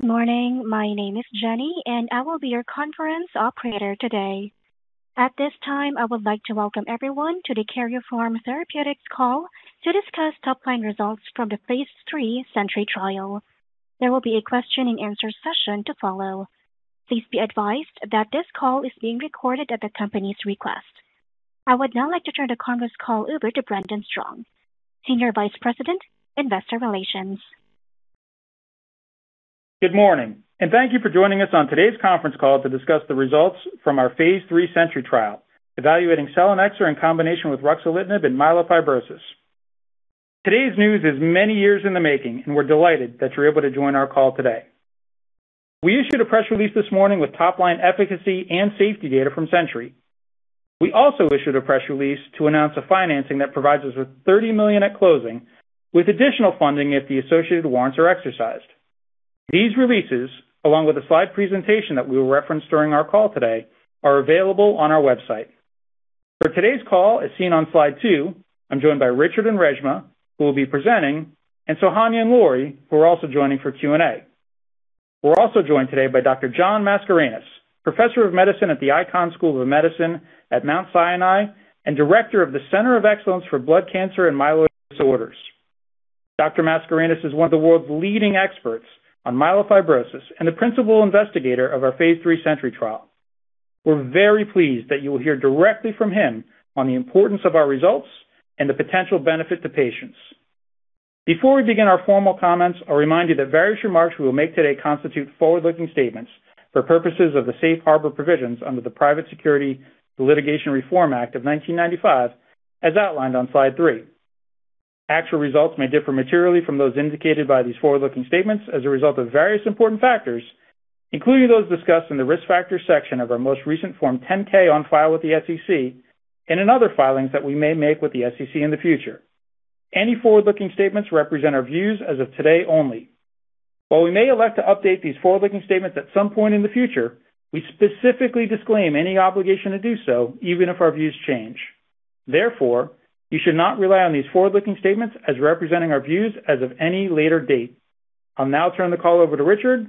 Good morning. My name is Jenny, and I will be your conference operator today. At this time, I would like to welcome everyone to the Karyopharm Therapeutics call to discuss top-line results from the phase III SENTRY trial. There will be a question and answer session to follow. Please be advised that this call is being recorded at the company's request. I would now like to turn the conference call over to Brendan Strong, Senior Vice President, Investor Relations. Good morning, and thank you for joining us on today's conference call to discuss the results from our phase III SENTRY trial, evaluating Selinexor in combination with Ruxolitinib in Myelofibrosis. Today's news is many years in the making, and we're delighted that you're able to join our call today. We issued a press release this morning with top-line efficacy and safety data from SENTRY. We also issued a press release to announce a financing that provides us with $30 million at closing, with additional funding if the associated warrants are exercised. These releases, along with a slide presentation that we'll reference during our call today, are available on our website. For today's call, as seen on slide two, I'm joined by Richard and Reshma, who will be presenting, and Sohanya and Lori, who are also joining for Q&A. We're also joined today by Dr. John Mascarenhas, Professor of Medicine at the Icahn School of Medicine at Mount Sinai and Director of the Center of Excellence for Blood Cancers and Myeloid Disorders. Dr. Mascarenhas is one of the world's leading experts on Myelofibrosis and the principal investigator of our phase III SENTRY trial. We're very pleased that you will hear directly from him on the importance of our results and the potential benefit to patients. Before we begin our formal comments, I'll remind you that various remarks we will make today constitute forward-looking statements for purposes of the safe harbor provisions under the Private Securities Litigation Reform Act of 1995, as outlined on slide three. Actual results may differ materially from those indicated by these forward-looking statements as a result of various important factors, including those discussed in the Risk Factors section of our most recent Form 10-K on file with the SEC and in other filings that we may make with the SEC in the future. Any forward-looking statements represent our views as of today only. While we may elect to update these forward-looking statements at some point in the future, we specifically disclaim any obligation to do so, even if our views change. Therefore, you should not rely on these forward-looking statements as representing our views as of any later date. I'll now turn the call over to Richard.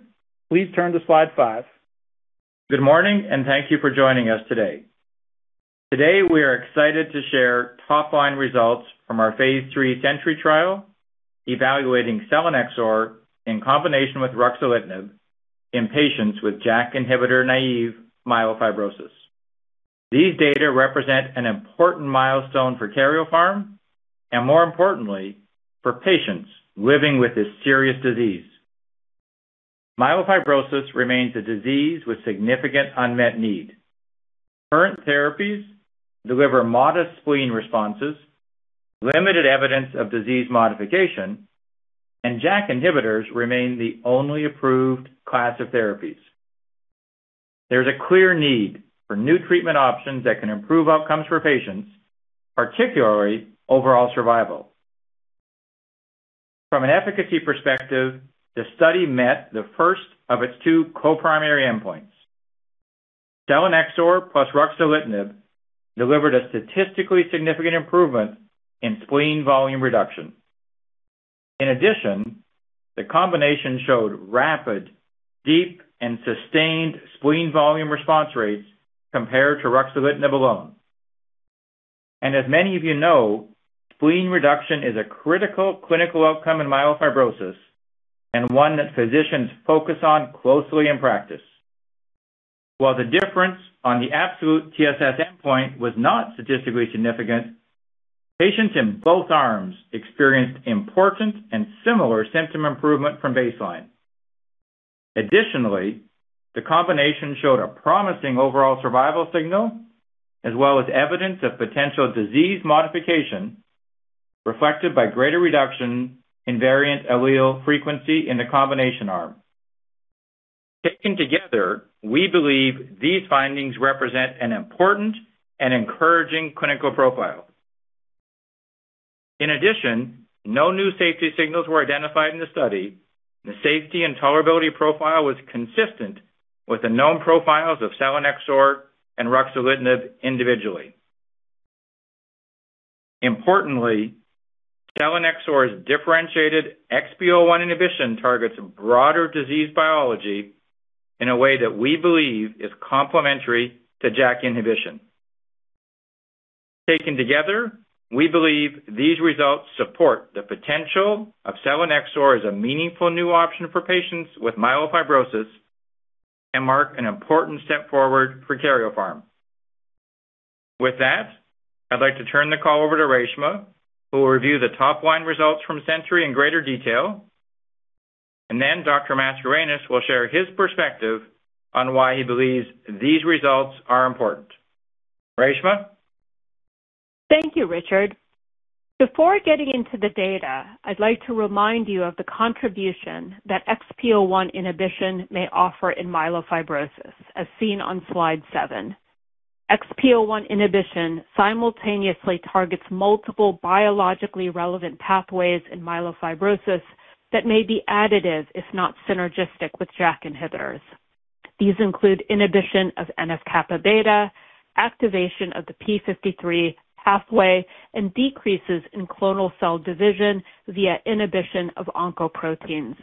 Please turn to slide five. Good morning, and thank you for joining us today. Today, we are excited to share top-line results from our phase III SENTRY trial evaluating Selinexor in combination with Ruxolitinib in patients with JAK inhibitor-naive Myelofibrosis. These data represent an important milestone for Karyopharm and, more importantly, for patients living with this serious disease. Myelofibrosis remains a disease with significant unmet need. Current therapies deliver modest spleen responses, limited evidence of disease modification, and JAK inhibitors remain the only approved class of therapies. There's a clear need for new treatment options that can improve outcomes for patients, particularly overall survival. From an efficacy perspective, the study met the first of its two co-primary endpoints. Selinexor plus Ruxolitinib delivered a statistically significant improvement in spleen volume reduction. In addition, the combination showed rapid, deep, and sustained spleen volume response rates compared to Ruxolitinib alone. As many of you know, spleen reduction is a critical clinical outcome in Myelofibrosis and one that physicians focus on closely in practice. While the difference on the absolute TSS endpoint was not statistically significant, patients in both arms experienced important and similar symptom improvement from baseline. Additionally, the combination showed a promising overall survival signal as well as evidence of potential disease modification reflected by greater reduction in variant allele frequency in the combination arm. Taken together, we believe these findings represent an important and encouraging clinical profile. In addition, no new safety signals were identified in the study. The safety and tolerability profile was consistent with the known profiles of Selinexor and Ruxolitinib individually. Importantly, Selinexor's differentiated XPO1 inhibition targets broader disease biology in a way that we believe is complementary to JAK inhibition. Taken together, we believe these results support the potential of Selinexor as a meaningful new option for patients with Myelofibrosis and mark an important step forward for Karyopharm. With that, I'd like to turn the call over to Reshma, who will review the top-line results from SENTRY in greater detail, and then Dr. Mascarenhas will share his perspective on why he believes these results are important. Reshma? Thank you, Richard. Before getting into the data, I'd like to remind you of the contribution that XPO1 inhibition may offer in Myelofibrosis, as seen on slide seven. XPO1 inhibition simultaneously targets multiple biologically relevant pathways in Myelofibrosis that may be additive, if not synergistic, with JAK inhibitors. These include inhibition of NF-κB, activation of the p53 pathway, and decreases in clonal cell division via inhibition of oncoproteins.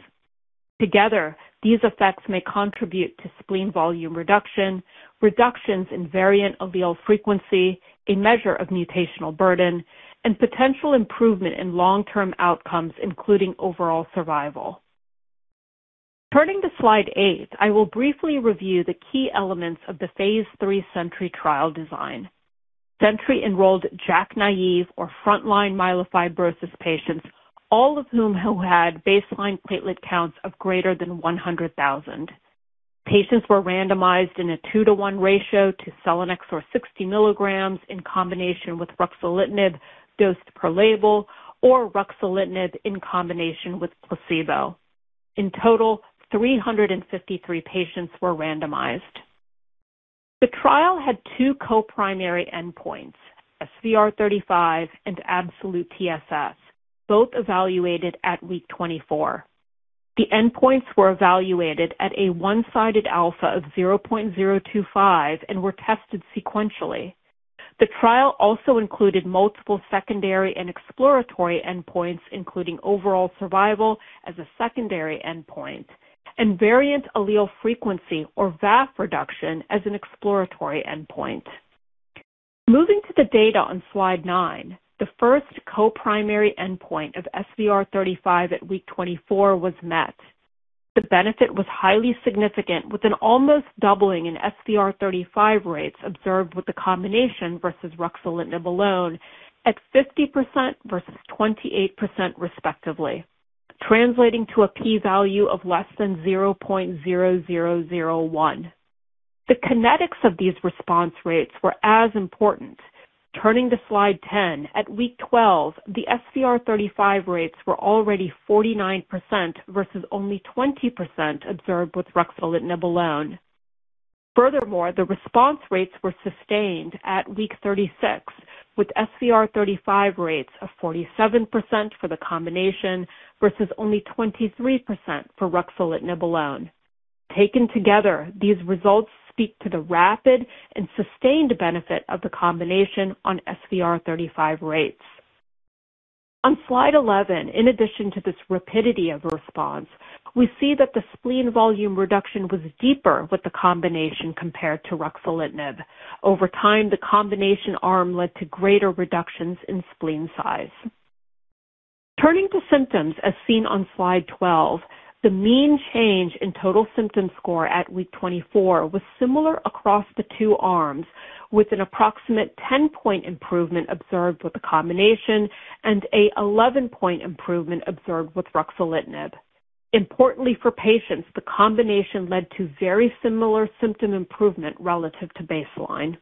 Together, these effects may contribute to spleen volume reduction, reductions in variant allele frequency, a measure of mutational burden, and potential improvement in long-term outcomes, including overall survival. Turning to slide eight, I will briefly review the key elements of the phase III SENTRY trial design. SENTRY enrolled JAK-naive or frontline Myelofibrosis patients, all of whom had baseline platelet counts of greater than 100,000. Patients were randomized in a 2-to-1 ratio to Selinexor 60 mg in combination with Ruxolitinib dosed per label or Ruxolitinib in combination with placebo. In total, 353 patients were randomized. The trial had two co-primary endpoints, SVR35 and absolute TSS, both evaluated at week 24. The endpoints were evaluated at a one-sided alpha of 0.025 and were tested sequentially. The trial also included multiple secondary and exploratory endpoints, including overall survival as a secondary endpoint and variant allele frequency or VAF reduction as an exploratory endpoint. Moving to the data on slide nine, the first co-primary endpoint of SVR35 at week 24 was met. The benefit was highly significant, with an almost doubling in SVR35 rates observed with the combination versus Ruxolitinib alone at 50% versus 28% respectively, translating to a p value of less than 0.0001. The kinetics of these response rates were as important. Turning to slide 10, at week 12, the SVR35 rates were already 49% versus only 20% observed with Ruxolitinib alone. Furthermore, the response rates were sustained at week 36, with SVR35 rates of 47% for the combination versus only 23% for Ruxolitinib alone. Taken together, these results speak to the rapid and sustained benefit of the combination on SVR35 rates. On slide 11, in addition to this rapidity of response, we see that the spleen volume reduction was deeper with the combination compared to Ruxolitinib. Over time, the combination arm led to greater reductions in spleen size. Turning to symptoms as seen on slide 12, the mean change in total symptom score at week 24 was similar across the two arms, with an approximate 10-point improvement observed with the combination and an 11-point improvement observed with Ruxolitinib. Importantly for patients, the combination led to very similar symptom improvement relative to baseline.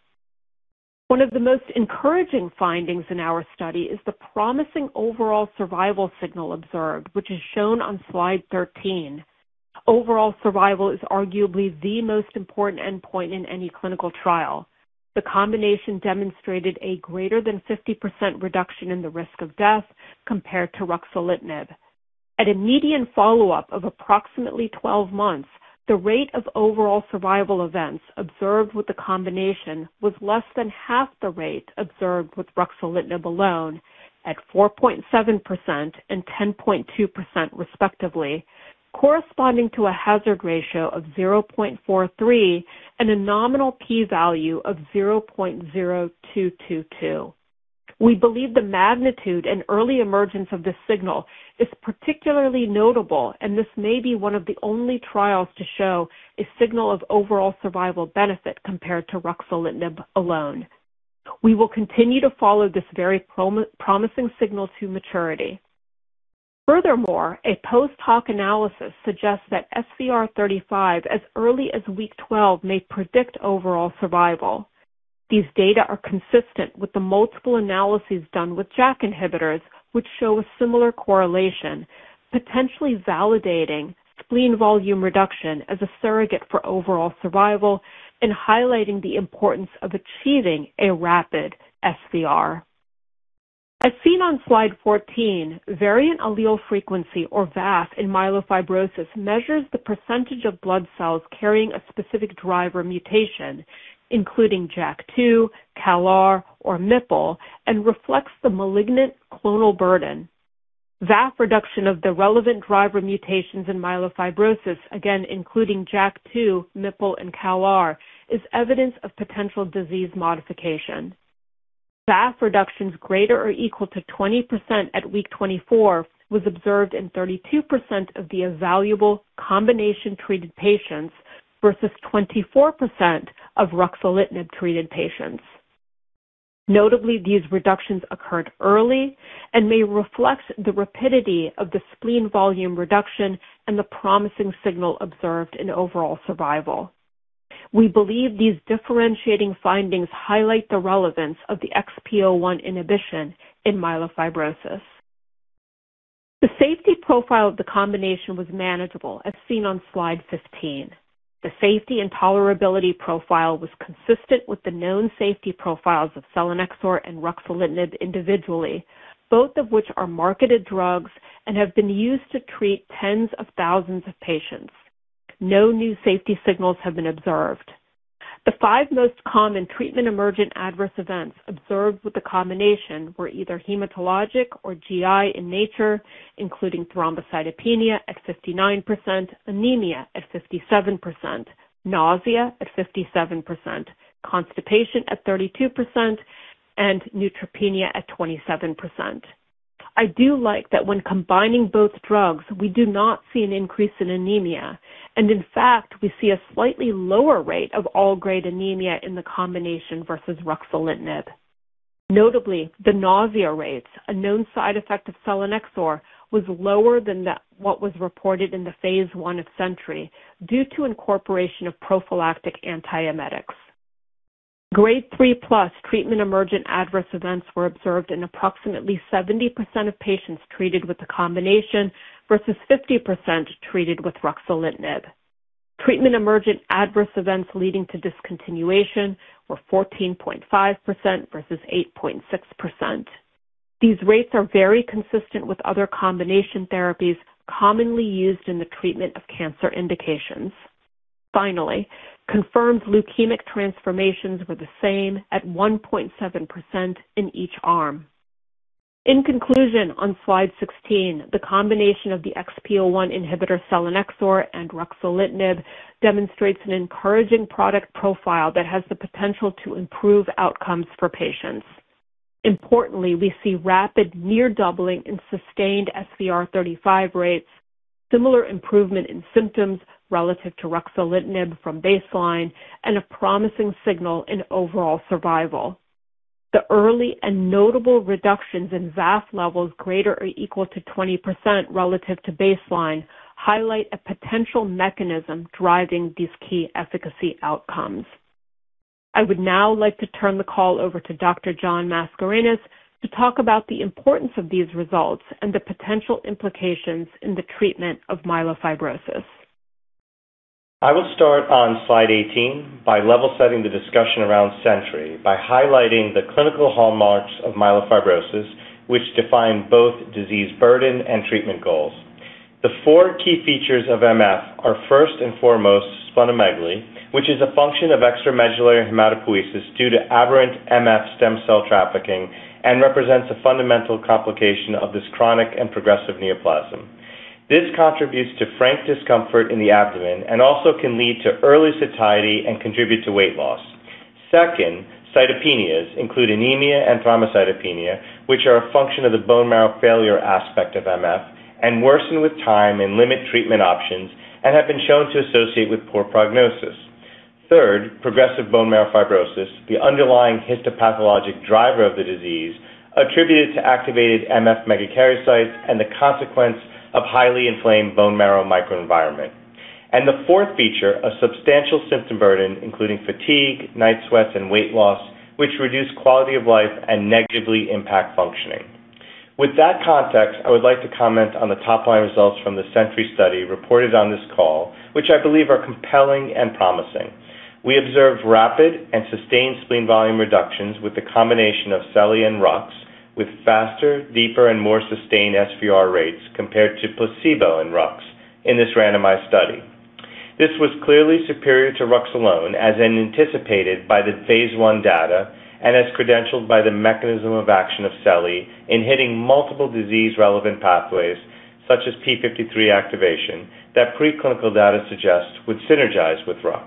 One of the most encouraging findings in our study is the promising overall survival signal observed, which is shown on slide 13. Overall survival is arguably the most important endpoint in any clinical trial. The combination demonstrated a greater than 50% reduction in the risk of death compared to Ruxolitinib. At a median follow-up of approximately 12 months, the rate of overall survival events observed with the combination was less than half the rate observed with Ruxolitinib alone at 4.7% and 10.2% respectively, corresponding to a hazard ratio of 0.43 and a nominal P-value of 0.0222. We believe the magnitude and early emergence of this signal is particularly notable, and this may be one of the only trials to show a signal of overall survival benefit compared to Ruxolitinib alone. We will continue to follow this very promising signal to maturity. Furthermore, a post-hoc analysis suggests that SVR 35 as early as week 12 may predict overall survival. These data are consistent with the multiple analyses done with JAK inhibitors, which show a similar correlation, potentially validating spleen volume reduction as a surrogate for overall survival and highlighting the importance of achieving a rapid SVR. As seen on slide 14, variant allele frequency or VAF in Myelofibrosis measures the percentage of blood cells carrying a specific driver mutation, including JAK2, CALR or MPL, and reflects the malignant clonal burden. VAF reduction of the relevant driver mutations in Myelofibrosis, again including JAK2, MPL and CALR, is evidence of potential disease modification. VAF reductions greater or equal to 20% at week 24 was observed in 32% of the evaluable combination-treated patients versus 24% of Ruxolitinib-treated patients. Notably, these reductions occurred early and may reflect the rapidity of the spleen volume reduction and the promising signal observed in overall survival. We believe these differentiating findings highlight the relevance of the XPO1 inhibition in Myelofibrosis. The safety profile of the combination was manageable, as seen on slide 15. The safety and tolerability profile was consistent with the known safety profiles of Selinexor and Ruxolitinib individually, both of which are marketed drugs and have been used to treat tens of thousands of patients. No new safety signals have been observed. The five most common treatment-emergent adverse events observed with the combination were either hematologic or GI in nature, including thrombocytopenia at 59%, anemia at 57%, nausea at 57%, constipation at 32%, and neutropenia at 27%. I do like that when combining both drugs, we do not see an increase in anemia, and in fact, we see a slightly lower rate of all-grade anemia in the combination versus Ruxolitinib. Notably, the nausea rates, a known side effect of Selinexor, was lower than what was reported in the phase I of SENTRY due to incorporation of prophylactic antiemetics. Grade three plus treatment-emergent adverse events were observed in approximately 70% of patients treated with the combination versus 50% treated with Ruxolitinib. Treatment-emergent adverse events leading to discontinuation were 14.5% versus 8.6%. These rates are very consistent with other combination therapies commonly used in the treatment of cancer indications. Finally, confirmed leukemic transformations were the same at 1.7% in each arm. In conclusion, on slide 16, the combination of the XPO1 inhibitor Selinexor and Ruxolitinib demonstrates an encouraging product profile that has the potential to improve outcomes for patients. Importantly, we see rapid near doubling in sustained SVR35 rates, similar improvement in symptoms relative to Ruxolitinib from baseline, and a promising signal in overall survival. The early and notable reductions in VAS levels greater or equal to 20% relative to baseline highlight a potential mechanism driving these key efficacy outcomes. I would now like to turn the call over to Dr. John Mascarenhas to talk about the importance of these results and the potential implications in the treatment of Myelofibrosis. I will start on slide 18 by level setting the discussion around SENTRY by highlighting the clinical hallmarks of Myelofibrosis, which define both disease burden and treatment goals. The four key features of MF are first and foremost splenomegaly, which is a function of extramedullary hematopoiesis due to aberrant MF stem cell trafficking and represents a fundamental complication of this chronic and progressive neoplasm. This contributes to frank discomfort in the abdomen and also can lead to early satiety and contribute to weight loss. Second, Cytopenias include anemia and thrombocytopenia, which are a function of the bone marrow failure aspect of MF and worsen with time and limit treatment options and have been shown to associate with poor prognosis. Third, progressive bone marrow fibrosis, the underlying histopathologic driver of the disease attributed to activated MF Megakaryocytes and the consequence of highly inflamed bone marrow microenvironment. The fourth feature, a substantial symptom burden, including fatigue, night sweats, and weight loss, which reduce quality of life and negatively impact functioning. With that context, I would like to comment on the top-line results from the SENTRY study reported on this call, which I believe are compelling and promising. We observed rapid and sustained spleen volume reductions with the combination of Seli and Rux, with faster, deeper, and more sustained SVR rates compared to placebo in Rux in this randomized study. This was clearly superior to Rux alone, as anticipated by the phase I data and as credentialed by the mechanism of action of Seli in hitting multiple disease-relevant pathways, such as p53 activation, that preclinical data suggests would synergize with Rux.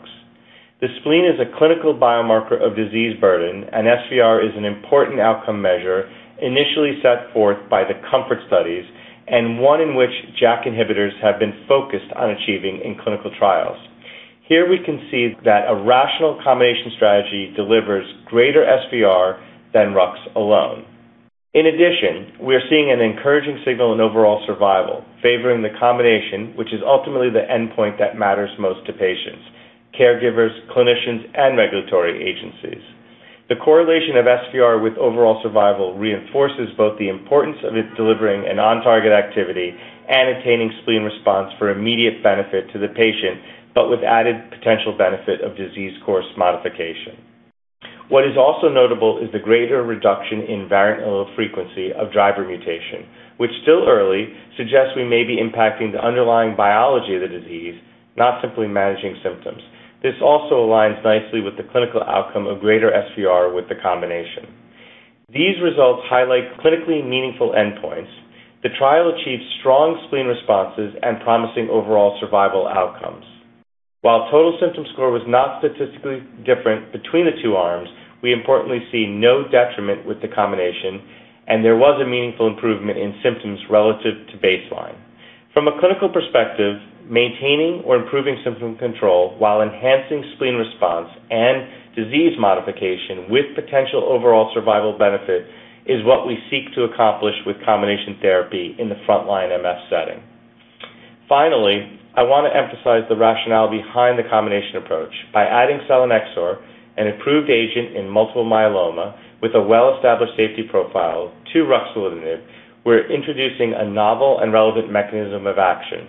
The spleen is a clinical biomarker of disease burden, and SVR is an important outcome measure initially set forth by the COMFORT studies and one in which JAK inhibitors have been focused on achieving in clinical trials. Here we can see that a rational combination strategy delivers greater SVR than Rux alone. In addition, we are seeing an encouraging signal in overall survival, favoring the combination, which is ultimately the endpoint that matters most to patients, caregivers, clinicians, and regulatory agencies. The correlation of SVR with overall survival reinforces both the importance of it delivering an on-target activity and attaining spleen response for immediate benefit to the patient, but with added potential benefit of disease course modification. What is also notable is the greater reduction in variant allele frequency of driver mutation, which, still early, suggests we may be impacting the underlying biology of the disease, not simply managing symptoms. This also aligns nicely with the clinical outcome of greater SVR35 with the combination. These results highlight clinically meaningful endpoints. The trial achieved strong spleen responses and promising overall survival outcomes. While total symptom score was not statistically different between the two arms, we importantly see no detriment with the combination, and there was a meaningful improvement in symptoms relative to baseline. From a clinical perspective, maintaining or improving symptom control while enhancing spleen response and disease modification with potential overall survival benefit is what we seek to accomplish with combination therapy in the frontline MF setting. Finally, I want to emphasize the rationale behind the combination approach. By adding Selinexor, an approved agent in multiple Myeloma with a well-established safety profile to Ruxolitinib, we're introducing a novel and relevant mechanism of action.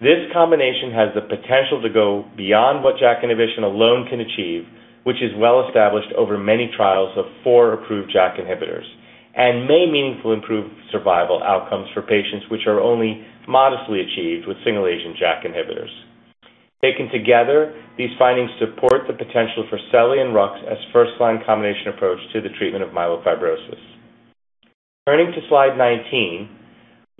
This combination has the potential to go beyond what JAK inhibition alone can achieve, which is well established over many trials of four approved JAK inhibitors and may meaningfully improve survival outcomes for patients, which are only modestly achieved with single agent JAK inhibitors. Taken together, these findings support the potential for Selinexor and Ruxolitinib as first-line combination approach to the treatment of Myelofibrosis. Turning to slide 19,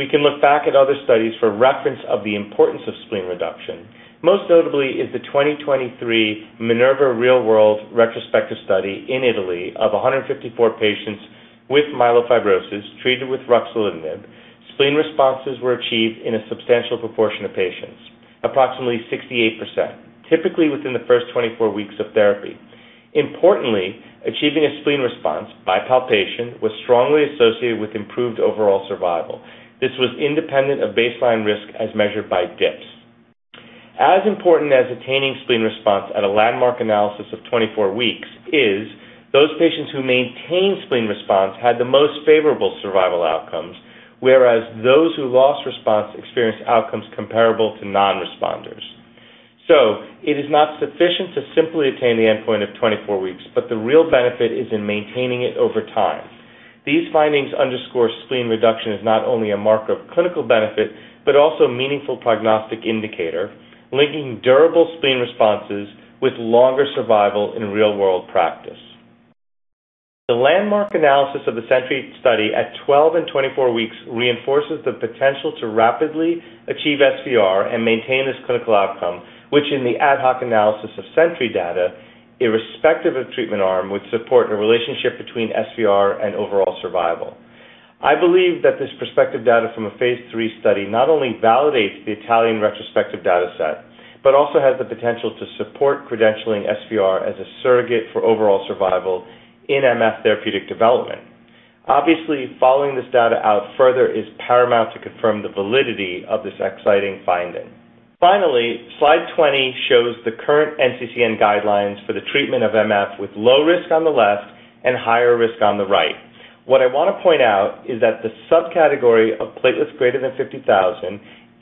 we can look back at other studies for reference of the importance of spleen reduction. Most notably is the 2023 MYNERVA real-world retrospective study in Italy of 154 patients with Myelofibrosis treated with Ruxolitinib. Spleen responses were achieved in a substantial proportion of patients, approximately 68%, typically within the first 24 weeks of therapy. Importantly, achieving a spleen response by palpation was strongly associated with improved overall survival. This was independent of baseline risk as measured by DIPSS. As important as attaining spleen response at a landmark analysis of 24 weeks is those patients who maintain spleen response had the most favorable survival outcomes, whereas those who lost response experienced outcomes comparable to non-responders. It is not sufficient to simply attain the endpoint of 24 weeks, but the real benefit is in maintaining it over time. These findings underscore spleen reduction is not only a marker of clinical benefit, but also a meaningful prognostic indicator, linking durable spleen responses with longer survival in real-world practice. The landmark analysis of the SENTRY study at 12 and 24 weeks reinforces the potential to rapidly achieve SVR and maintain this clinical outcome, which in the ad hoc analysis of SENTRY data, irrespective of treatment arm, would support a relationship between SVR and overall survival. I believe that this prospective data from a phase III study not only validates the Italian retrospective data set, but also has the potential to support credentialing SVR as a surrogate for overall survival in MF therapeutic development. Obviously, following this data out further is paramount to confirm the validity of this exciting finding. Finally, slide 20 shows the current NCCN guidelines for the treatment of MF with low risk on the left and higher risk on the right. What I want to point out is that the subcategory of platelets greater than 50,000,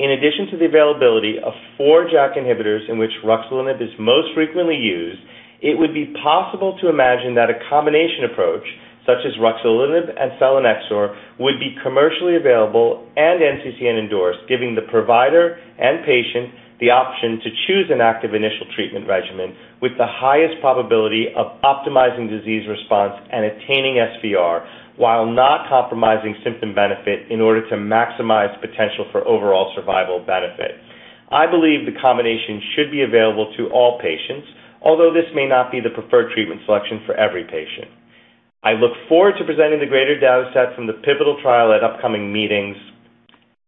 in addition to the availability of four JAK inhibitors in which Ruxolitinib is most frequently used, it would be possible to imagine that a combination approach such as Ruxolitinib and Selinexor would be commercially available and NCCN endorsed, giving the provider and patient the option to choose an active initial treatment regimen with the highest probability of optimizing disease response and attaining SVR while not compromising symptom benefit in order to maximize potential for overall survival benefit. I believe the combination should be available to all patients, although this may not be the preferred treatment selection for every patient. I look forward to presenting the greater data set from the pivotal trial at upcoming meetings,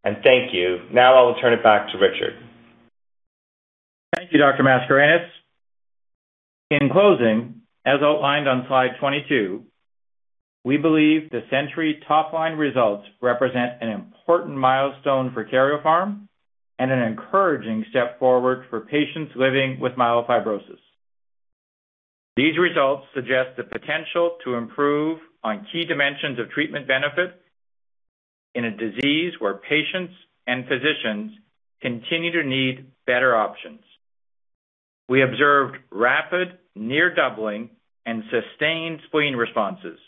and thank you. Now I will turn it back to Richard. Thank you, Dr. Mascarenhas. In closing, as outlined on slide 22, we believe the SENTRY top-line results represent an important milestone for Karyopharm and an encouraging step forward for patients living with Myelofibrosis. These results suggest the potential to improve on key dimensions of treatment benefit in a disease where patients and physicians continue to need better options. We observed rapid near doubling and sustained spleen responses,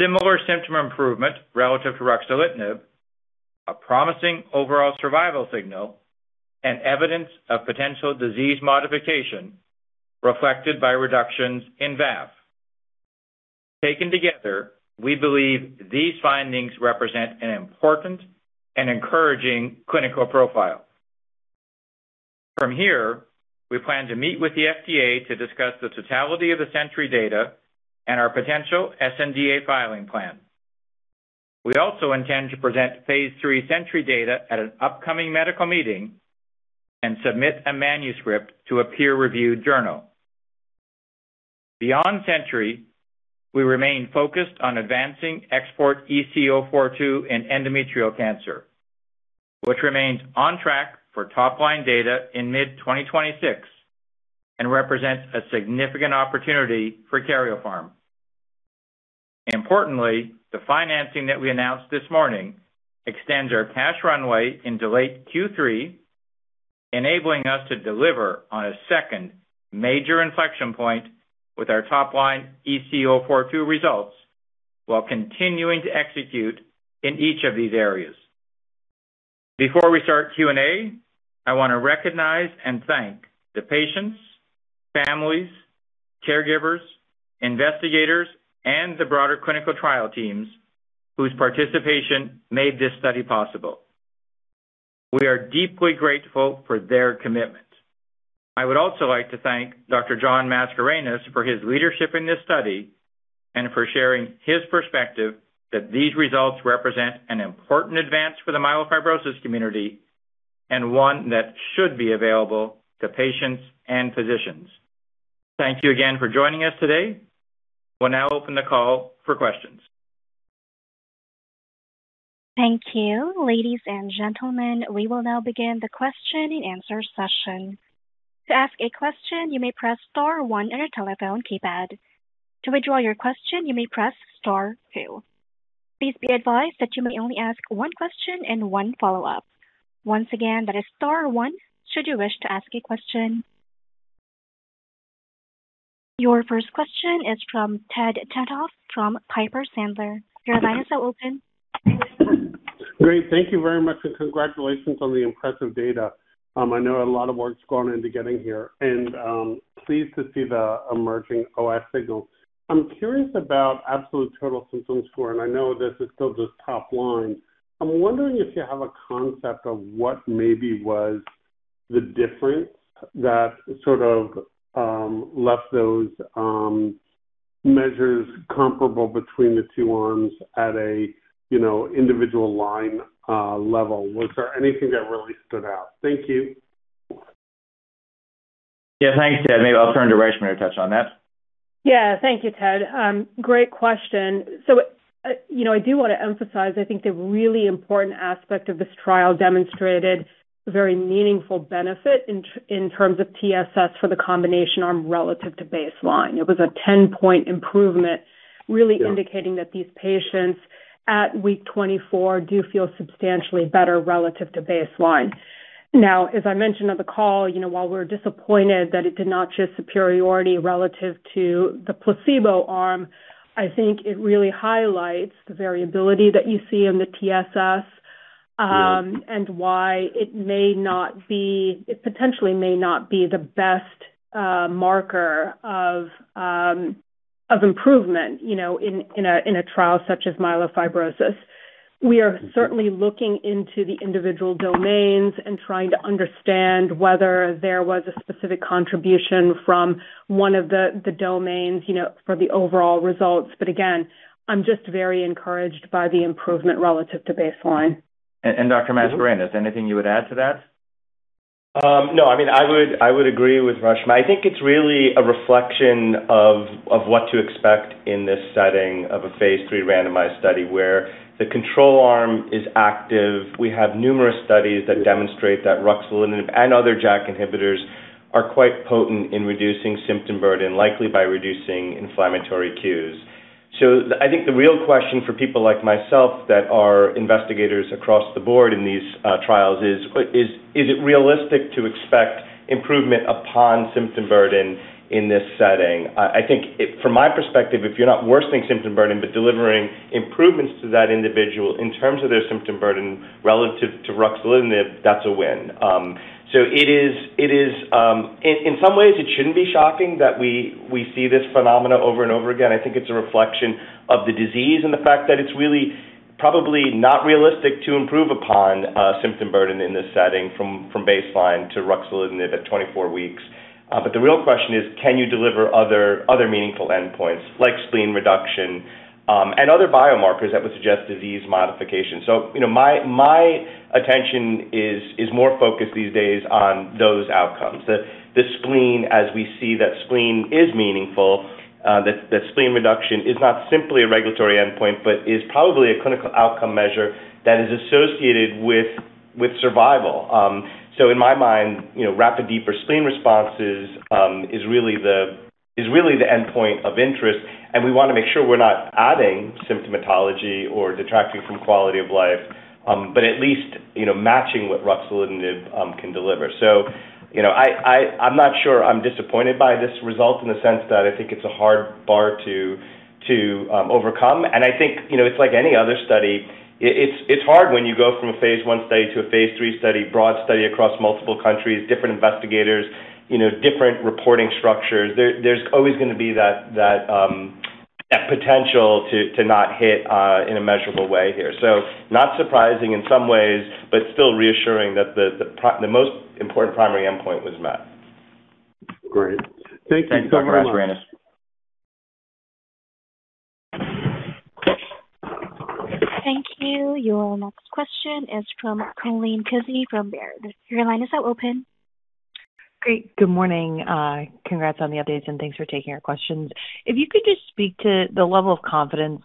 similar symptom improvement relative to Ruxolitinib, a promising overall survival signal and evidence of potential disease modification reflected by reductions in VAF. Taken together, we believe these findings represent an important and encouraging clinical profile. From here, we plan to meet with the FDA to discuss the totality of the SENTRY data and our potential sNDA filing plan. We also intend to present phase III SENTRY data at an upcoming medical meeting and submit a manuscript to a peer-reviewed journal. Beyond SENTRY, we remain focused on advancing XPORT-EC-042 in endometrial cancer, which remains on track for top-line data in mid-2026 and represents a significant opportunity for Karyopharm. Importantly, the financing that we announced this morning extends our cash runway into late Q3, enabling us to deliver on a second major inflection point with our top-line XPORT-EC-042 results while continuing to execute in each of these areas. Before we start Q&A, I want to recognize and thank the patients, families, caregivers, investigators, and the broader clinical trial teams whose participation made this study possible. We are deeply grateful for their commitment. I would also like to thank Dr. John Mascarenhas for his leadership in this study and for sharing his perspective that these results represent an important advance for the Myelofibrosis community and one that should be available to patients and physicians. Thank you again for joining us today. We'll now open the call for questions. Thank you. Ladies and gentlemen, we will now begin the question and answer session. To ask a question, you may press star one on your telephone keypad. To withdraw your question, you may press star two. Please be advised that you may only ask one question and one follow-up. Once again, that is star one should you wish to ask a question. Your first question is from Ted Tenthoff from Piper Sandler. Your line is now open. Great. Thank you very much, and congratulations on the impressive data. I know a lot of work's gone into getting here, and pleased to see the emerging OS signal. I'm curious about absolute total symptom score, and I know this is still just top line. I'm wondering if you have a concept of what maybe was the difference? that sort of left those measures comparable between the two arms at a, you know, individual line level, was there anything that really stood out? Thank you. Yeah. Thanks, Ted. Maybe I'll turn to Reshma to touch on that. Yeah. Thank you, Ted. Great question. I do wanna emphasize, I think the really important aspect of this trial demonstrated very meaningful benefit in terms of TSS for the combination arm relative to baseline. It was a 10-point improvement. Really indicating that these patients at week 24 do feel substantially better relative to baseline. Now, as I mentioned on the call, you know, while we're disappointed that it did not show superiority relative to the placebo arm, I think it really highlights the variability that you see in the TSS. it potentially may not be the best marker of improvement, you know, in a trial such as Myelofibrosis. We are certainly looking into the individual domains and trying to understand whether there was a specific contribution from one of the domains, you know, for the overall results again, I'm just very encouraged by the improvement relative to baseline. Dr. Mascarenhas, anything you would add to that? No. I mean, I would agree with Reshma i think it's really a reflection of what to expect in this setting of a phase III randomized study where the control arm is active. We have numerous studies that demonstrate that Ruxolitinib and other JAK inhibitors are quite potent in reducing symptom burden, likely by reducing inflammatory cues. I think the real question for people like myself that are investigators across the board in these trials is it realistic to expect improvement upon symptom burden in this setting? From my perspective, if you're not worsening symptom burden but delivering improvements to that individual in terms of their symptom burden relative to Ruxolitinib, that's a win. It is in some ways it shouldn't be shocking that we see this phenomena over and over again i think it's a reflection of the disease and the fact that it's really probably not realistic to improve upon symptom burden in this setting from baseline to Ruxolitinib at 24 weeks. The real question is, can you deliver other meaningful endpoints like spleen reduction and other biomarkers that would suggest disease modification? You know, my attention is more focused these days on those outcomes. The spleen as we see that spleen is meaningful, that spleen reduction is not simply a regulatory endpoint but is probably a clinical outcome measure that is associated with survival. In my mind, you know, rapid deeper spleen responses is really the endpoint of interest, and we want to make sure we're not adding symptomatology or detracting from quality of life, but at least, you know, matching what Ruxolitinib can deliver. I'm not sure I'm disappointed by this result in the sense that I think it's a hard bar to overcome and i think, you know, it's like any other study. It's hard when you go from a phase I study to a phase III study, broad study across multiple countries, different investigators, you know, different reporting structures there's always going to be that potential to not hit in a measurable way here. Not surprising in some ways, but still reassuring that the most important primary endpoint was met. Great. Thank you so much. Thanks, Dr. Mascarenhas. Thank you. Your next question is from Colleen Kusy from Baird. Your line is now open. Great, good morning. Congrats on the updates, and thanks for taking our questions. If you could just speak to the level of confidence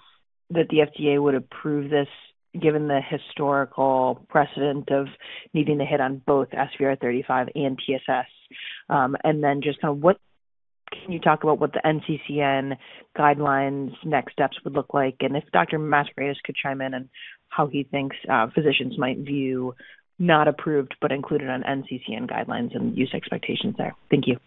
that the FDA would approve this given the historical precedent of needing to hit on both SVR35 and TSS. Then just kind of can you talk about what the NCCN guidelines next steps would look like? If Dr. Mascarenhas could chime in on how he thinks physicians might view not approved but included on NCCN guidelines and use expectations there. Thank you.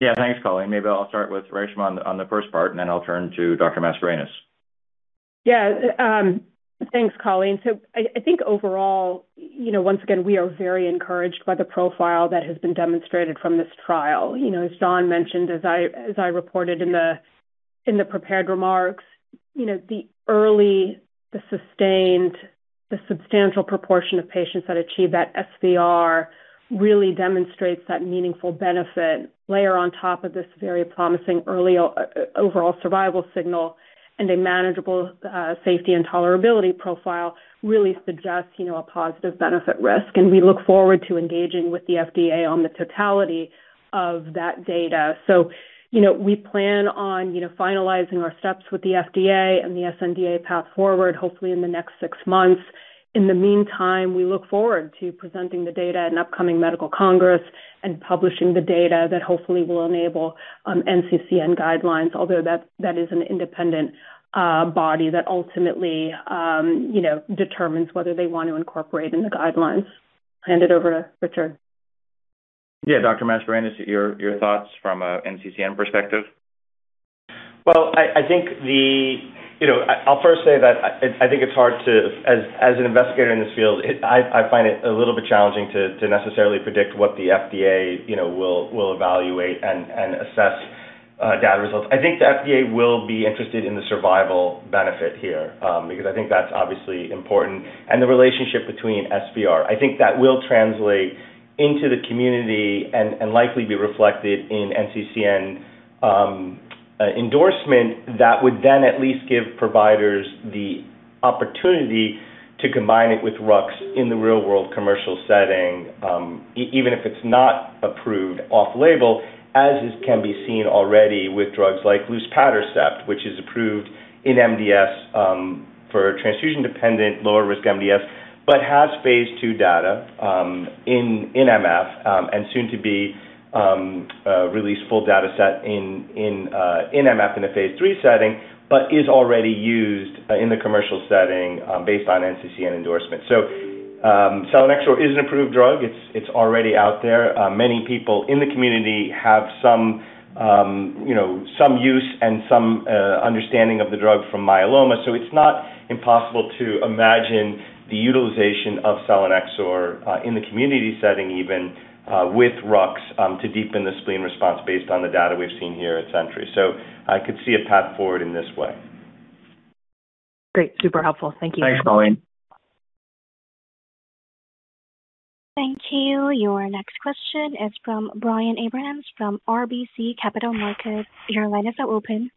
Yeah. Thanks, Colleen. Maybe I'll start with Reshma on the first part, and then I'll turn to Dr. Mascarenhas. Yeah. Thanks, Colleen. I think overall, you know, once again, we are very encouraged by the profile that has been demonstrated from this trial you know, as John mentioned, as I reported in the prepared remarks, you know, the early, the sustained, the substantial proportion of patients that achieve that SVR really demonstrates that meaningful benefit layer on top of this very promising early overall survival signal and a manageable safety and tolerability profile really suggests, you know, a positive benefit risk we look forward to engaging with the FDA on the totality of that data. We plan on finalizing our steps with the FDA and the sNDA path forward, hopefully in the next six months. In the meantime, we look forward to presenting the data in upcoming medical congress and publishing the data that hopefully will enable NCCN guidelines although that is an independent body that ultimately, you know, determines whether they want to incorporate in the guidelines. Hand it over to Richard. Yeah. Dr. Mascarenhas, your thoughts from a NCCN perspective? Well, I think, you know, I'll first say that as an investigator in this field, I find it a little bit challenging to necessarily predict what the FDA, you know, will evaluate and assess data results i think the FDA will be interested in the survival benefit here, because I think that's obviously important, and the relationship between SVR. I think that will translate into the community and likely be reflected in NCCN- -endorsement that would then at least give providers the opportunity to combine it with Rux in the real-world commercial setting, even if it's not approved off-label, as can be seen already with drugs like Luspatercept, which is approved in MDS for transfusion-dependent lower-risk MDS but has phase II data in MF, and soon to be released full data set in MF in a phase III setting, but is already used in the commercial setting based on NCCN endorsement. Selinexor is an approved drug it's already out there. Many people in the community have some, you know, some use and some understanding of the drug from Myeloma it's not impossible to imagine the utilization of Selinexor in the community setting even with Rux to deepen the spleen response based on the data we've seen here at SENTRY. I could see a path forward in this way. Great. Super helpful. Thank you. Thanks, Colleen. Thank you. Your next question is from Brian Abrahams from RBC Capital Markets. Your line is now open.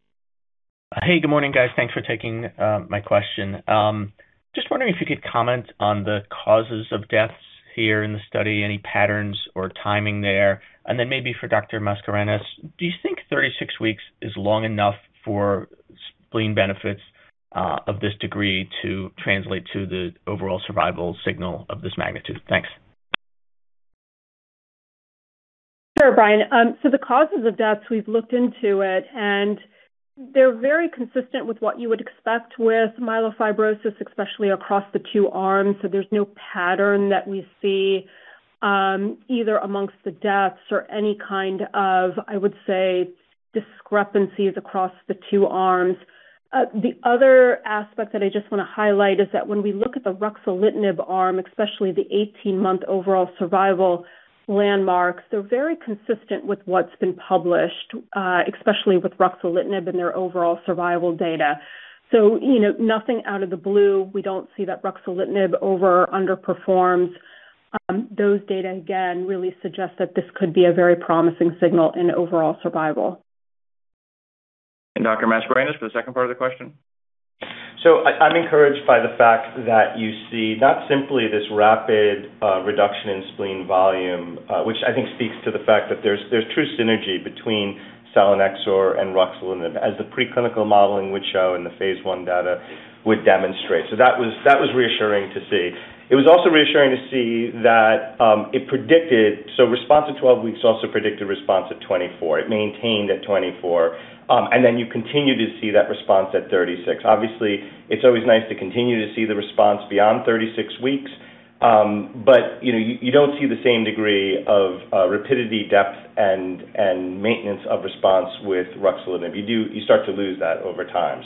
Hey, good morning, guys thanks for taking my question. Just wondering if you could comment on the causes of deaths here in the study, any patterns or timing there. Maybe for Dr. Mascarenhas, do you think 36 weeks is long enough for spleen benefits of this degree to translate to the overall survival signal of this magnitude? Thanks. Sure, Brian. The causes of deaths, we've looked into it, and they're very consistent with what you would expect with Myelofibrosis, especially across the two arms. There's no pattern that we see, either amongst the deaths or any kind of, I would say, discrepancies across the two arms. The other aspect that I just wanna highlight is that when we look at the Ruxolitinib arm, especially the 18-month overall survival landmarks, they're very consistent with what's been published, especially with Ruxolitinib and their overall survival data. You know, nothing out of the blue. We don't see that Ruxolitinib over or underperforms. Those data, again, really suggest that this could be a very promising signal in overall survival. Dr. Mascarenhas for the second part of the question. I'm encouraged by the fact that you see not simply this rapid reduction in spleen volume, which I think speaks to the fact that there's true synergy between Selinexor and Ruxolitinib, as the preclinical modeling would show and the phase I data would demonstrate so that was reassuring to see. It was also reassuring to see that it predicted response at 12 weeks also predicted response at 24. It maintained at 24, and then you continue to see that response at 36. Obviously, it's always nice to continue to see the response beyond 36 weeks, but you know, you don't see the same degree of rapidity, depth, and maintenance of response with Ruxolitinib. You start to lose that over time.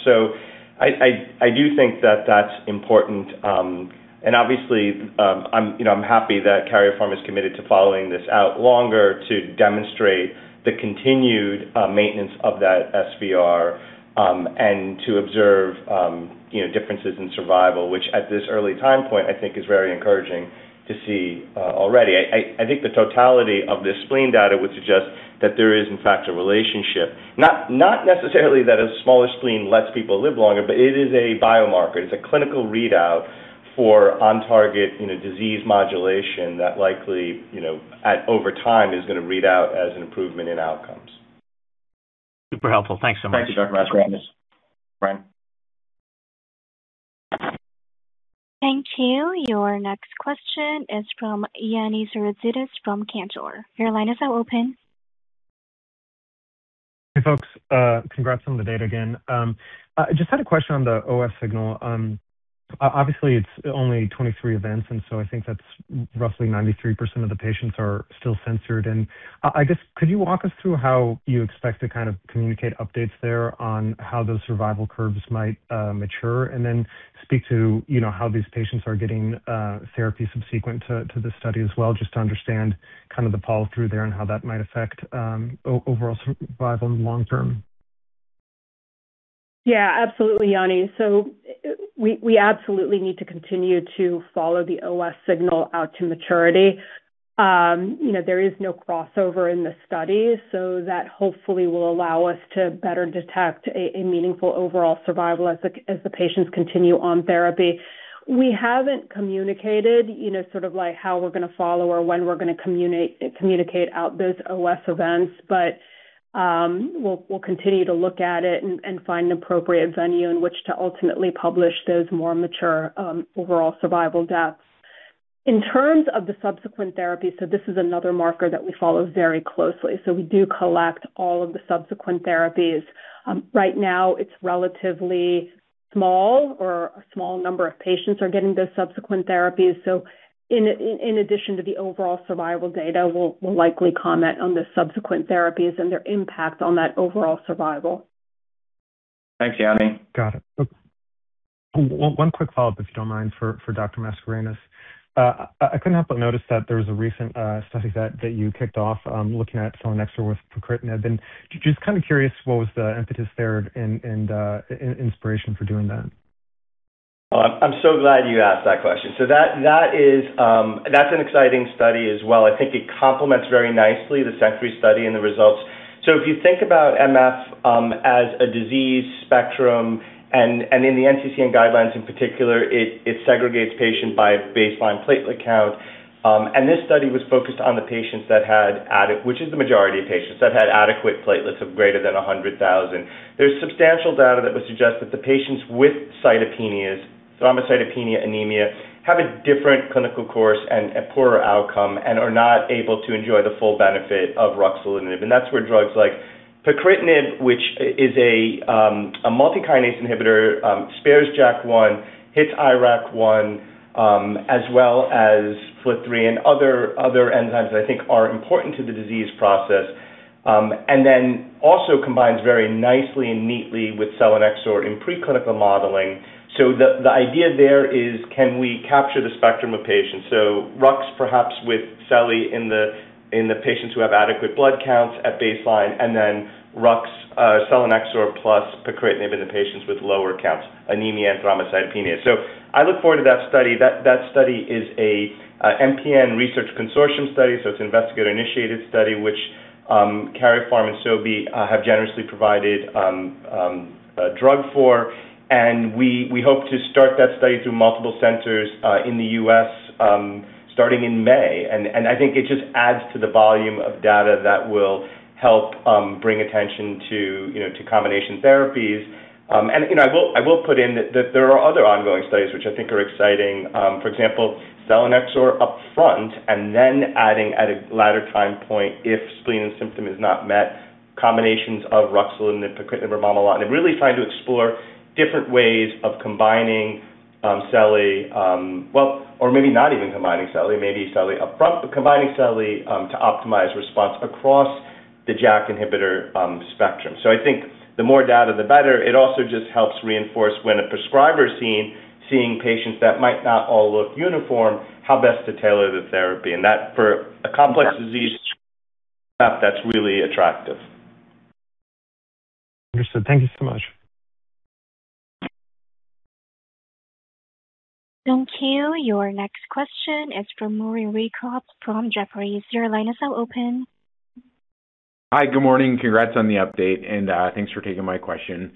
I do think that that's important. I'm happy that Karyopharm is committed to following this out longer to demonstrate the continued maintenance of that SVR and to observe you know differences in survival, which at this early time point I think is very encouraging to see already. I think the totality of the spleen data would suggest that there is in fact a relationship. Not necessarily that a smaller spleen lets people live longer, but it is a biomarker it's a clinical readout for on-target you know disease modulation that likely you know over time is gonna read out as an improvement in outcomes. Super helpful. Thanks so much. Thank you, Dr. Mascarenhas. Brian. Thank you. Your next question is from Ioannis Souroudzidis from Cantor. Your line is now open. Hey, folks. Congrats on the data again. Just had a question on the OS signal. Obviously, it's only 23 events, and so I think that's roughly 93% of the patients are still censored. I guess, could you walk us through how you expect to kind of communicate updates there on how those survival curves might mature? Speak to, you know, how these patients are getting therapy subsequent to this study as well, just to understand kind of the follow-through there and how that might affect overall survival in the long term. Yeah, absolutely, Ioannis. We absolutely need to continue to follow the OS signal out to maturity. You know, there is no crossover in the study, so that hopefully will allow us to better detect a meaningful overall survival as the patients continue on therapy. We haven't communicated, you know, sort of like how we're gonna follow or when we're gonna communicate out those OS events, but, we'll continue to look at it and find an appropriate venue in which to ultimately publish those more mature overall survival deaths. In terms of the subsequent therapy, this is another marker that we follow very closely we do collect all of the subsequent therapies. Right now it's relatively small or a small number of patients are getting those subsequent therapies. In addition to the overall survival data, we'll likely comment on the subsequent therapies and their impact on that overall survival. Thanks, Ioannis. Got it. One quick follow-up, if you don't mind, for Dr. Mascarenhas. I couldn't help but notice that there was a recent study that you kicked off, looking at Selinexor with Pacritinib. Just kinda curious, what was the impetus there and inspiration for doing that? I'm so glad you asked that question. That is an exciting study as well i think it complements very nicely the secondary study and the results. If you think about MF as a disease spectrum and in the NCCN guidelines in particular, it segregates patients by baseline platelet count. This study was focused on the patients that had adequate platelets, which is the majority of patients, of greater than 100,000. There's substantial data that would suggest that the patients with Cytopenias, thrombocytopenia, anemia, have a different clinical course and a poorer outcome and are not able to enjoy the full benefit of Ruxolitinib that's where drugs like Pacritinib, which is a multikinase inhibitor, spares JAK1, hits IRAK1, as well as FLT3 and other enzymes that I think are important to the disease process. Also combines very nicely and neatly with Selinexor in preclinical modeling. The idea there is can we capture the spectrum of patients? Rux perhaps with Seli in the patients who have adequate blood counts at baseline, and then Rux Selinexor plus Pacritinib in the patients with lower counts, anemia and thrombocytopenia. I look forward to that study that study is a MPN Research Consortium study, so it's an investigator-initiated study which Karyopharm and Sobi have generously provided a drug for. We hope to start that study through multiple centers in the U.S., starting in May. I think it just adds to the volume of data that will help bring attention to, you know, to combination therapies. You know, I will put in that there are other ongoing studies which I think are exciting. For example, Selinexor up front and then adding at a later time point if spleen and symptom is not met, combinations of Ruxolitinib, Pacritinib, or momelotinib really trying to explore different ways of combining Seli. Well, or maybe not even combining Seli, maybe Seli up front, but combining Seli to optimize response across the JAK inhibitor spectrum so i think the more data, the better. It also just helps reinforce when a prescriber's seeing patients that might not all look uniform, how best to tailor the therapy that for a complex disease, that's really attractive. Understood. Thank you so much. Thank you. Your next question is from Maurice Raycroft from Jefferies. Your line is now open. Hi. Good morning congrats on the update, and thanks for taking my question.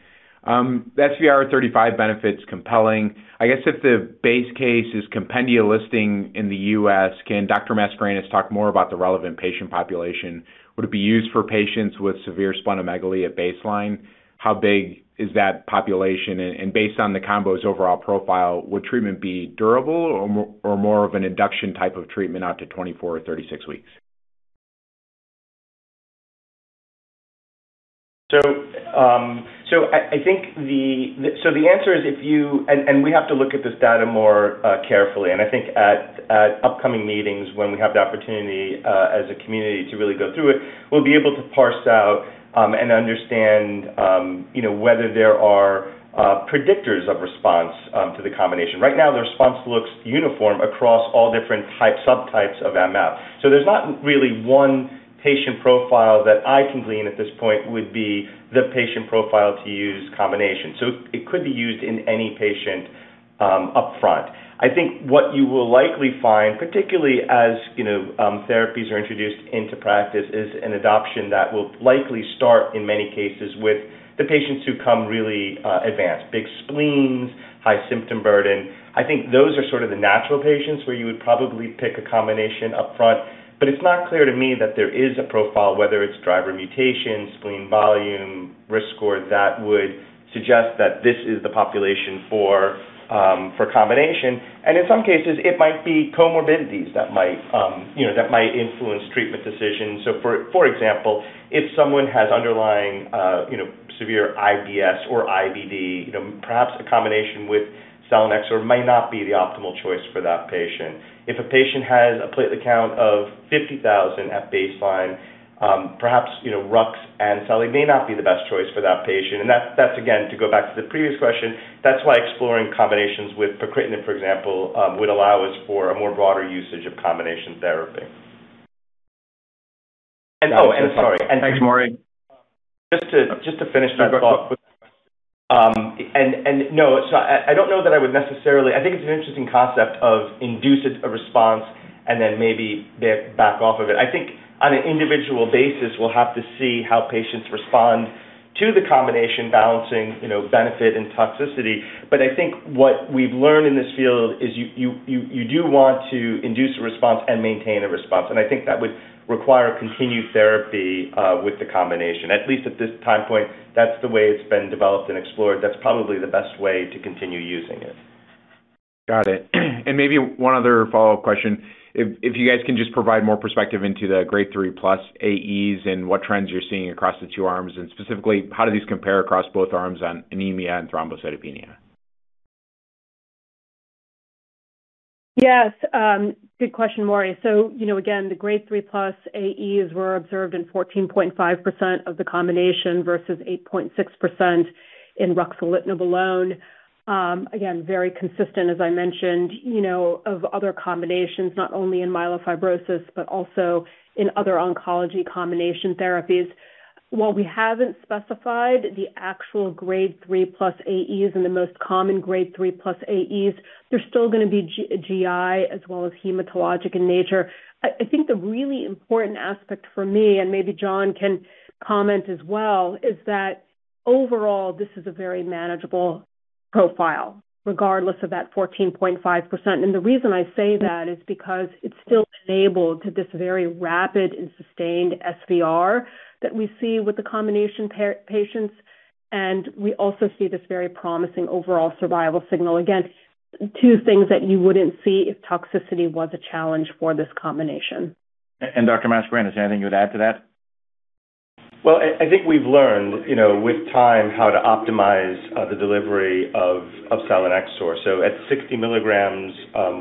SVR35 benefit's compelling. I guess if the base case is compendia listing in the U.S., can Dr. Mascarenhas talk more about the relevant patient population? Would it be used for patients with severe splenomegaly at baseline? How big is that population? Based on the combo's overall profile, would treatment be durable or more of an induction type of treatment out to 24 or 36 weeks? I think the answer is we have to look at this data more carefully and i think at upcoming meetings, when we have the opportunity as a community to really go through it, we'll be able to parse out and understand you know whether there are predictors of response to the combination right now, the response looks uniform across all different types, subtypes of MF. There's not really one patient profile that I can glean at this point would be the patient profile to use combination. It could be used in any patient upfront. I think what you will likely find, particularly as you know therapies are introduced into practice, is an adoption that will likely start in many cases with the patients who come really advanced big spleens, high symptom burden. I think those are sort of the natural patients where you would probably pick a combination upfront. It's not clear to me that there is a profile, whether it's driver mutation, spleen volume, risk score, that would suggest that this is the population for combination. In some cases, it might be comorbidities that might, you know, that might influence treatment decisions. For example, if someone has underlying, you know, severe IBS or IBD, you know, perhaps a combination with Selinexor may not be the optimal choice for that patient. If a patient has a platelet count of 50,000 at baseline, perhaps, you know, Rux and Seli may not be the best choice for that patient that's again, to go back to the previous question, that's why exploring combinations with Pacritinib, for example, would allow us for a more broader usage of combination therapy. Oh, and sorry. Thanks, Maurice. Just to finish my thought. No. I don't know that I would necessarily. I think it's an interesting concept to induce a response and then maybe then back off of it i think on an individual basis, we'll have to see how patients respond to the combination, balancing, you know, benefit and toxicity but i think what we've learned in this field is you do want to induce a response and maintain a response i think that would require continued therapy with the combination at least at this time point, that's the way it's been developed and explored. That's probably the best way to continue using it. Got it. Maybe one other follow-up question. If you guys can just provide more perspective into the Grade 3+ AEs and what trends you're seeing across the two arms. Specifically, how do these compare across both arms on anemia and thrombocytopenia? Yes. Good question, Maurice so, you know, again, the Grade 3+ AEs were observed in 14.5% of the combination versus 8.6% in Ruxolitinib alone. Again, very consistent, as I mentioned, you know, of other combinations, not only in Myelofibrosis but also in other oncology combination therapies. While we haven't specified the actual Grade 3+ plus AEs and the most common Grade 3+ AEs, they're still gonna be GI as well as hematologic in nature. I think the really important aspect for me, and maybe John can comment as well, is that overall, this is a very manageable profile regardless of that 14.5% the reason I say that is because it's still enabled to this very rapid and sustained SVR that we see with the combination par... Patients, and we also see this very promising overall survival signal again, two things that you wouldn't see if toxicity was a challenge for this combination. Dr. Mascarenhas, is there anything you'd add to that? Well, I think we've learned, you know, with time how to optimize the delivery of Selinexor. At 60 milligrams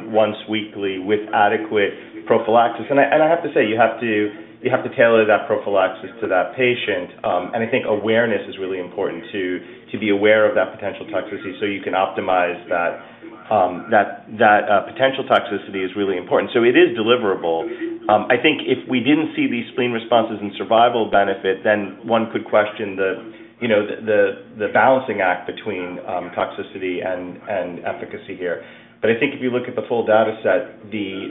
once weekly with adequate prophylaxis and i have to say, you have to tailor that prophylaxis to that patient. I think awareness is really important too, to be aware of that potential toxicity so you can optimize that. That potential toxicity is really important so it is deliverable. I think if we didn't see these spleen responses and survival benefit, then one could question, you know, the balancing act between toxicity and efficacy here. I think if you look at the full data set, the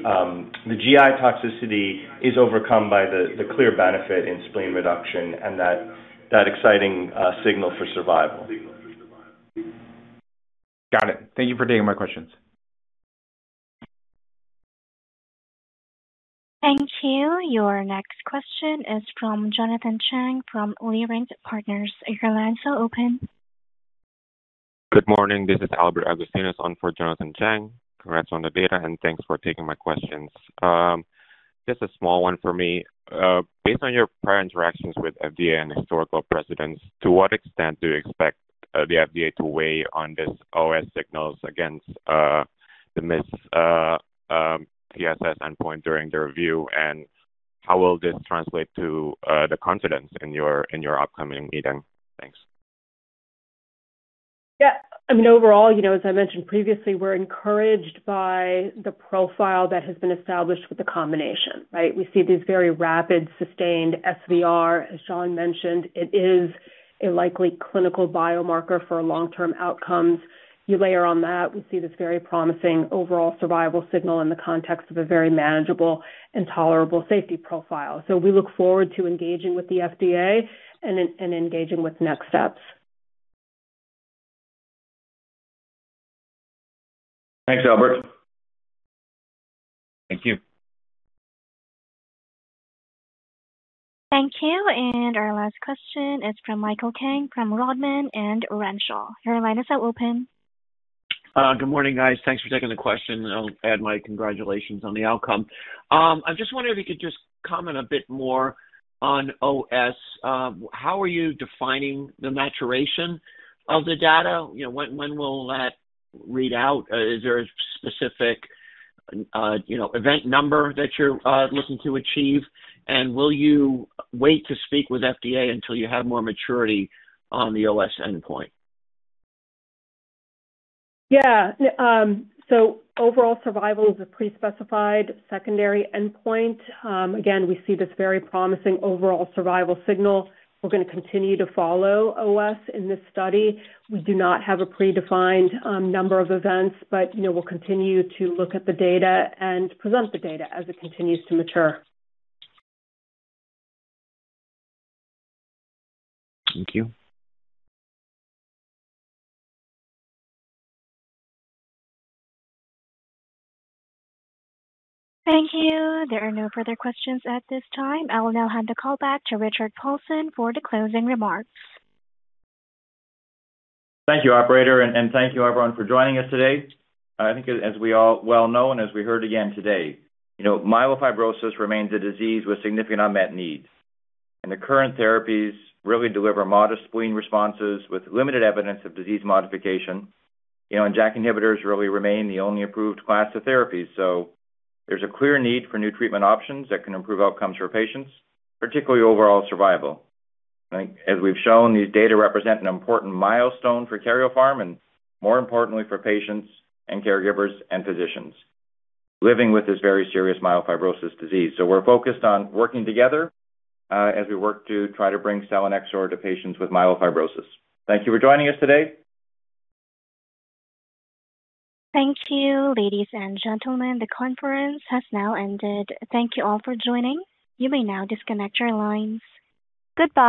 GI toxicity is overcome by the clear benefit in spleen reduction and that exciting signal for survival. Got it. Thank you for taking my questions. Thank you. Your next question is from Jonathan Chang from Leerink Partners. Your line's now open. Good morning. This is Albert Agustinus on for Jonathan Chang. Congrats on the data, and thanks for taking my questions. Just a small one for me. Based on your prior interactions with FDA and historical precedents, to what extent do you expect the FDA to weigh on this OS signals against the missed TSS endpoint during the review? And how will this translate to the confidence in your upcoming meeting? Thanks. Yeah. I mean, overall, you know, as I mentioned previously, we're encouraged by the profile that has been established with the combination, right? We see these very rapid, sustained SVR. As John Chang mentioned, it is a likely clinical biomarker for long-term outcomes. You layer on that, we see this very promising overall survival signal in the context of a very manageable and tolerable safety profile. We look forward to engaging with the FDA and engaging with next steps. Thanks, Albert. Thank you. Thank you. Our last question is from Michael King from Rodman & Renshaw. Your line is now open. Good morning, guys. Thanks for taking the question, and I'll add my congratulations on the outcome. I'm just wondering if you could just comment a bit more on OS. How are you defining the maturation? of the data? You know, when will that read out? Is there a specific, you know, event number that you're looking to achieve? Will you wait to speak with FDA until you have more maturity on the OS endpoint? Yeah. Overall survival is a pre-specified secondary endpoint. Again, we see this very promising overall survival signal. We're gonna continue to follow OS in this study. We do not have a predefined number of events, but, you know, we'll continue to look at the data and present the data as it continues to mature. Thank you. Thank you. There are no further questions at this time. I will now hand the call back to Richard Paulson for the closing remarks. Thank you, operator, and thank you everyone for joining us today. I think as we all well know and as we heard again today, you know, Myelofibrosis remains a disease with significant unmet needs. The current therapies really deliver modest spleen responses with limited evidence of disease modification. You know, JAK inhibitors really remain the only approved class of therapies. There's a clear need for new treatment options that can improve outcomes for patients, particularly overall survival. I think as we've shown, these data represent an important milestone for Karyopharm and more importantly, for patients and caregivers and physicians living with this very serious Myelofibrosis disease we're focused on working together, as we work to try to bring Selinexor to patients with Myelofibrosis. Thank you for joining us today. Thank you, ladies and gentlemen the conference has now ended. Thank you all for joining. You may now disconnect your lines. Goodbye.